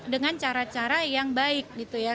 dengan cara cara yang baik gitu ya